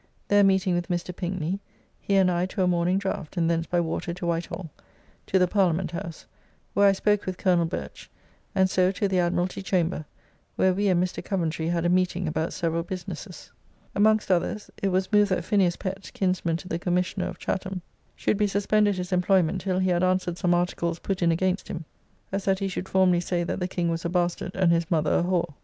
There meeting with Mr. Pinkney, he and I to a morning draft, and thence by water to White Hall, to the Parliament House, where I spoke with Colonel Birch, and so to the Admiralty chamber, where we and Mr. Coventry had a meeting about several businesses. Amongst others, it was moved that Phineas Pett (kinsman to the Commissioner) of Chatham, should be suspended his employment till he had answered some articles put in against him, as that he should formerly say that the King was a bastard and his mother a whore.